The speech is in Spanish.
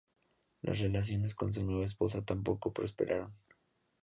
Las relaciones con su nueva esposa tampoco prosperaron.